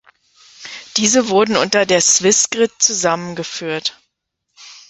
Diese wurden unter der Swissgrid zusammengeführt.